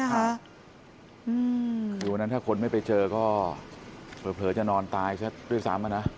คือวันนั้นถ้าคนไม่ไปเจอก็เผลอจะนอนตายซะด้วยซ้ำนะ